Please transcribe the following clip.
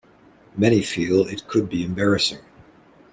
Many feel it could be embarrassing.